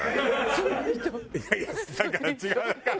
いやいやだから違うから。